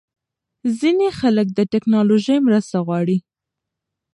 ځینې خلک د ټېکنالوژۍ مرسته غواړي.